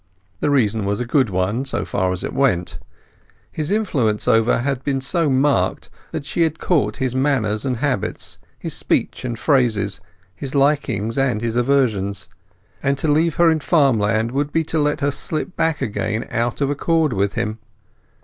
The reason was a good one, so far as it went. His influence over her had been so marked that she had caught his manner and habits, his speech and phrases, his likings and his aversions. And to leave her in farmland would be to let her slip back again out of accord with him.